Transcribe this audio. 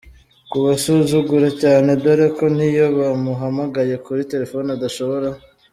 kubasuzugura cyane dore ko niyo bamuhamagaye kuri telefone adashobora.